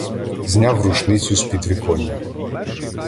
Зняв рушницю з підвіконня.